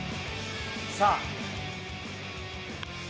さあ。